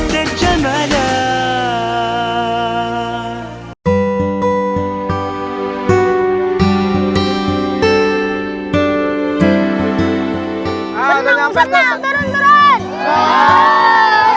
ternang terang terang